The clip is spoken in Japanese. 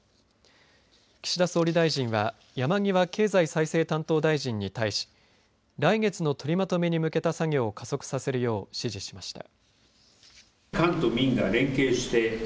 岸田総理大臣は山際経済再生担当大臣に対し来月の取りまとめに向けた作業を加速させるよう指示しました。